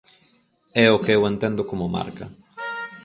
É o que eu entendo como marca.